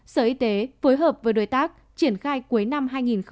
sở y tế phối hợp với đối tác triển khai cuối năm hai nghìn hai mươi